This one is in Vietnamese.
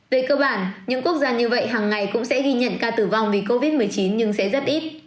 về cơ bản những quốc gia như vậy hàng ngày cũng sẽ ghi nhận ca tử vong vì covid một mươi chín nhưng sẽ rất ít